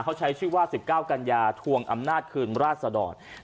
เขาใช้ชื่อว่า๑๙กันยาทวงอำนาจคืนราชดร